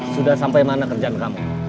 sudah sampai mana kerjaan kami